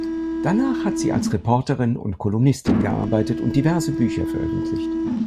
Danach hat sie als Reporterin und Kolumnistin gearbeitet und diverse Bücher veröffentlicht.